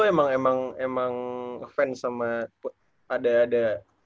emang emang fans sama ada ada